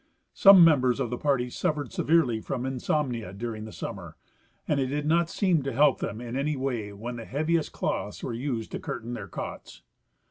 Some members of the party suffered severly from insom nia during the summer, and it did not seem to help them in any way when the heaviest cloths were used to curtain their cots.